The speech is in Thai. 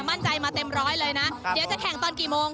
มั่นใจมาเต็มร้อยเลยนะ